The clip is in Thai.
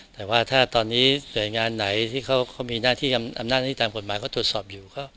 แต่ว่าถ้าตอนนี้ส่วนใหญ่งานไหนที่เขามีอำนาจน่าที่ตามกฎหมายก็ตรวจสอบอยู่